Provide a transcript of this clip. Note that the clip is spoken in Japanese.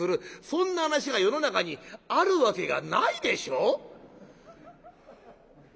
そんな話が世の中にあるわけがないでしょ！」。